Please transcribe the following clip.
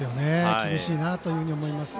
厳しいなと思います。